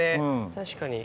確かに。